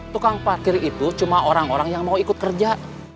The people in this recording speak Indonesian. tukang parkir itu cuma orang orang yang mau ikut kerja